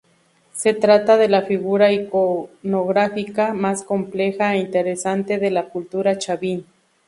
Se trata de la figura iconográfica más compleja e interesante de la cultura Chavín.